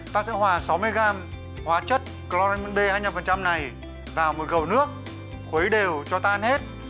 ta sẽ hòa sáu mươi g hóa chất cloramin b hai mươi năm này vào một gầu nước khuấy đều cho tan hết